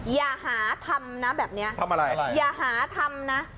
อย่าหาทำนะแบบนี้ทำอะไรครับอย่าหาทำนะ